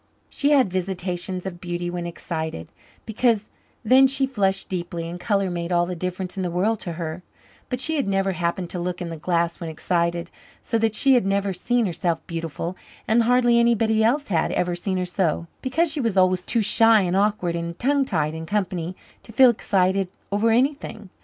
She had visitations of beauty when excited, because then she flushed deeply, and colour made all the difference in the world to her; but she had never happened to look in the glass when excited, so that she had never seen herself beautiful; and hardly anybody else had ever seen her so, because she was always too shy and awkward and tongue tied in company to feel excited over anything.